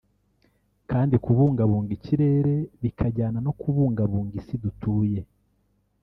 kandi kubungabunga ikirere bikajyana no kubungabunga isi dutuye